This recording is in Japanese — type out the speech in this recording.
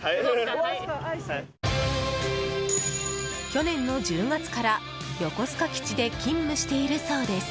去年の１０月から横須賀基地で勤務しているそうです。